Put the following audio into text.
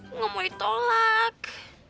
enggak mau ditolak